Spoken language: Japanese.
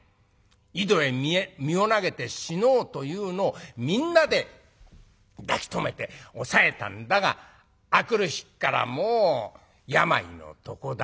井戸へ身を投げて死のうというのをみんなで抱き留めて押さえたんだが明くる日からもう病の床だ。